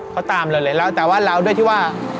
เขาตามเลยแต่ว่าเราด้วยที่ว่า